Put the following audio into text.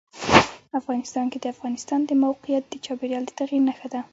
افغانستان کې د افغانستان د موقعیت د چاپېریال د تغیر نښه ده.